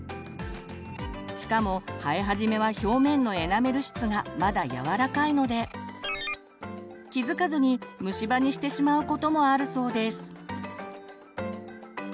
しかも生え始めは表面のエナメル質がまだやわらかいので気付かずに虫歯にしてしまうこともあるそうです。